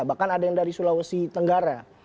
bahkan ada yang dari sulawesi tenggara